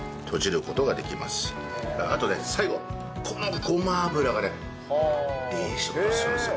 あとね最後このごま油がねいい仕事するんですよ。